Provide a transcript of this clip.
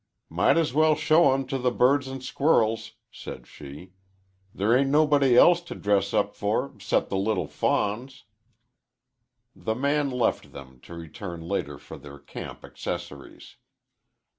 "Might as well show 'em to the birds an' squirrels," said she. "There ain't nobody else t' dress up for 'cept the little fawns." The man left them, to return later for their camp accessories.